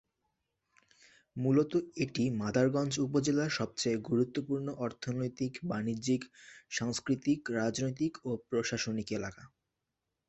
মূলত এটি মাদারগঞ্জ উপজেলার সবচেয়ে গুরুত্বপূর্ণ অর্থনৈতিক, বাণিজ্যিক, সাংস্কৃতিক, রাজনৈতিক ও প্রশাসনিক এলাকা।